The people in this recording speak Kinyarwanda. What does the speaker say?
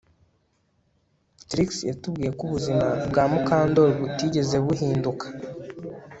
Trix yatubwiye ko ubuzima bwa Mukandoli butigeze buhinduka